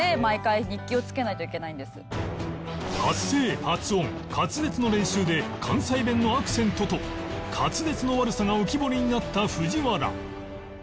発声・発音・滑舌の練習で関西弁のアクセントと滑舌の悪さが浮き彫りになった藤原